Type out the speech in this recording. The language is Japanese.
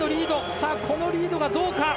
さあ、このリードがどうか。